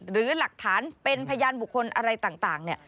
หรือหลักฐานเป็นพยานบุคคลอะไรต่าง